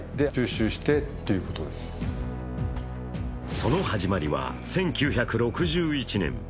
その始まりは、１９６１年。